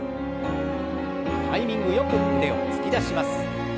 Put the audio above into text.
タイミングよく腕を突き出します。